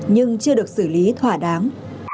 nhưng chưa được xử lý thỏa đáng